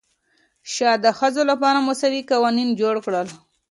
شاه د ښځو لپاره مساوي قوانین جوړ کړل.